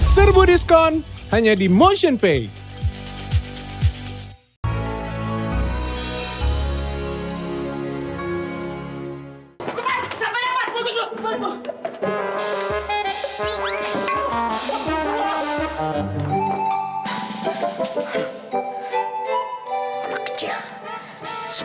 serbu diskon hanya di motionpay